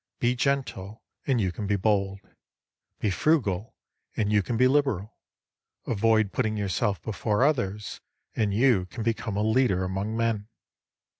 Be gentle and you can be bold ; be frugal, and you can be liberal ; avoid putting yourself before others, and you can become a leader among men.